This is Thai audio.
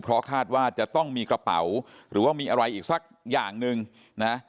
เพราะคาดว่าจะต้องมีกระเป๋าหรือว่ามีอะไรอีกสักอย่างหนึ่งนะ